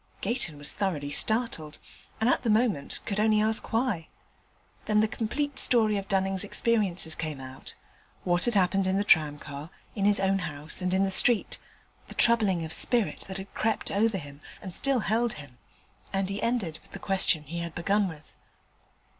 Gayton was thoroughly startled, and at the moment could only ask why. Then the complete story of Dunning's experiences came out what had happened in the tramcar, in his own house, and in the street, the troubling of spirit that had crept over him, and still held him; and he ended with the question he had begun with.